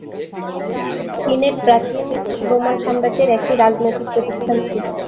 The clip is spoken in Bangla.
সিনেট প্রাচীন রোমান সম্রাজ্যের একটি রাজনৈতিক প্রতিষ্ঠান ছিল।